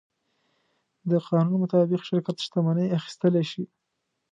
د قانون مطابق شرکت شتمنۍ اخیستلی شي.